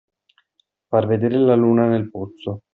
Far vedere la luna nel pozzo.